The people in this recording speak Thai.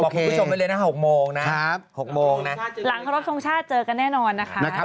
บอกคุณผู้ชมไปเลยนะ๖โมงนะหลังรอบทรงชาติเจอกันแน่นอนนะคะ